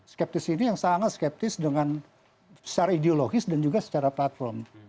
skeptis ini yang sangat skeptis dengan secara ideologis dan juga secara platform